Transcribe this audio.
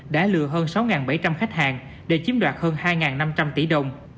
đã lừa hơn sáu bảy trăm linh khách hàng để chiếm đoạt hơn hai năm trăm linh tỷ đồng